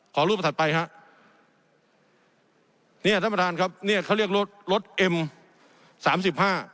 ขอรูปถัดไปฮะเนี่ยท่านประธานครับเนี้ยเขาเรียกรถรถเอ็มสามสิบห้า